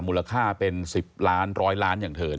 มูลค่าเป็น๑๐ล้าน๑๐๐ล้านอย่างเธอ